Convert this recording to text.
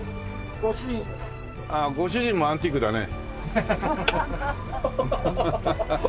「ご主人」あっご主人もアンティークだね。